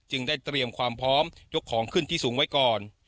ได้เตรียมความพร้อมยกของขึ้นที่สูงไว้ก่อน